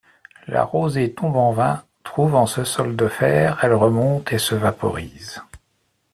La rosée tombe en vain ; trouvant ce sol de fer, elle remonte et se vaporise.